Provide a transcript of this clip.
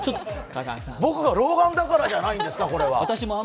僕が老眼だからじゃないんですか、これは。